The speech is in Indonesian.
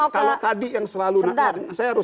kalau tadi yang selalu nakal